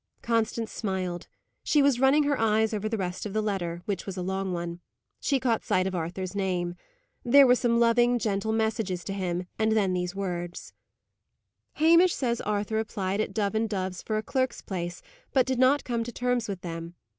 Constance smiled. She was running her eyes over the rest of the letter, which was a long one. She caught sight of Arthur's name. There were some loving, gentle messages to him, and then these words: "Hamish says Arthur applied at Dove and Dove's for a clerk's place, but did not come to terms with them.